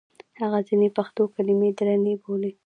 هغه ځینې پښتو کلمې درنې بولي.